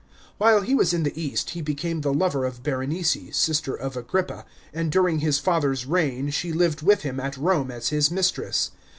While he was in the east he became the lover of Berenice, sister of Agrippa, and during his father's reign she lived with him at Rome as his mistress.